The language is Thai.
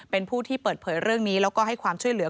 เป็นผู้ที่เปิดเผยเรื่องนี้แล้วก็ให้ความช่วยเหลือ